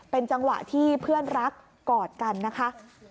เป็นจังหวะที่เพื่อนรักกอดกันนะคะ